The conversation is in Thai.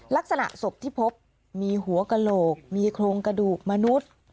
ลักษณะศพที่พบมีหัวกระโหลกมีโครงกระดูกมนุษย์